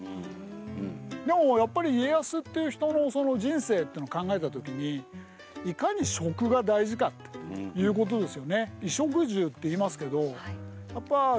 でもやっぱり家康っていう人の人生っていうのを考えた時にいかに食が大事かということですよね。